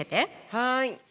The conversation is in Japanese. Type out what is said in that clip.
はい。